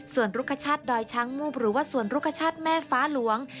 ส่วนรุกชาติดอยช้างมูบหรือว่าสวนรุกชาติแม่ฟ้าหลวง